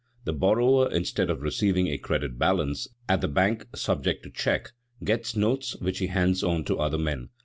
The borrower, instead of receiving a credit balance at the bank subject to check, gets notes which he hands on to other men.